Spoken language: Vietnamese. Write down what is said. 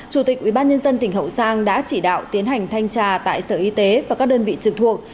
chủ tịch ubnd tỉnh hậu giang đã chỉ đạo tiến hành thanh tra tại sở y tế và các đơn vị trực thuộc